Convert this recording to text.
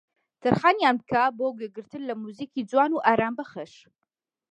تەرخانیان بکە بۆ گوێگرتن لە موزیکی جوان و ئارامبەخش